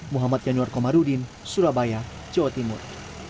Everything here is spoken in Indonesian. muhammad yanuar komarudin surabaya jawa timur